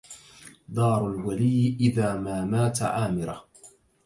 دار الولي إذا ما مات عامرة